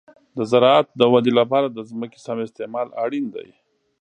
د زراعت د ودې لپاره د ځمکې سم استعمال اړین دی.